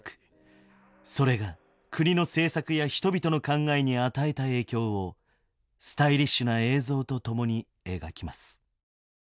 それが国の政策や人々の考えに与えた影響をスタイリッシュな映像と共に描きます。